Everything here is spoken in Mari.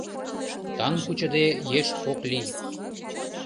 Таҥ кучыде, еш ок лий.